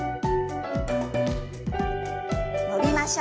伸びましょう。